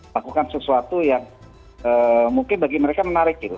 lakukan sesuatu yang mungkin bagi mereka menarik gitu